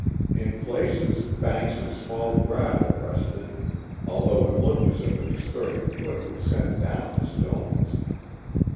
In places, banks of small gravel rested, although it looked as if a disturbing foot would send down the stones.